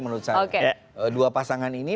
menurut saya dua pasangan ini